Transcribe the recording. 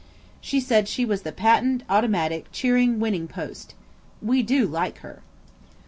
She said she was the Patent Automatic Cheering Winning post. We do like her.